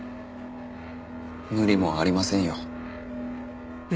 無理もありませんよ。